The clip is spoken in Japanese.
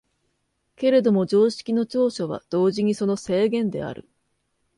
けれども常識の長所は同時にその制限である。